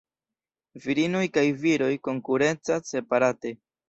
Virinoj kaj viroj konkurencas separate.